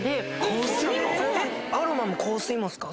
香水も⁉アロマも香水もっすか？